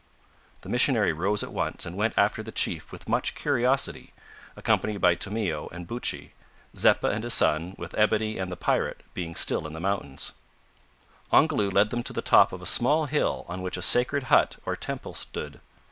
The missionary rose at once and went after the chief with much curiosity, accompanied by Tomeo and Buttchee: Zeppa and his son, with Ebony and the pirate, being still in the mountains. Ongoloo led them to the top of a small hill on which a sacred hut or temple stood.